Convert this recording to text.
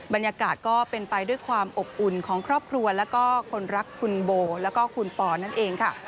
บรรยากาศก็เป็นไปด้วยความอบอุ่นของครอบครัวแล้วก็คนรักคุณโบแล้วก็คุณปอนั่นเองค่ะ